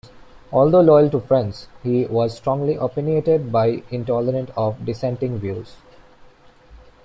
Although loyal to friends, he was strongly opinionated and intolerant of dissenting views.